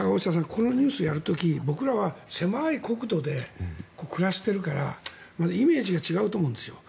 このニュースをやる時僕らは、狭い国土で暮らしているからイメージが違うと思うんです。